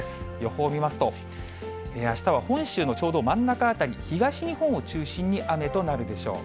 予報を見ますと、あしたは本州のちょうど真ん中辺り、東日本を中心に雨となるでしょう。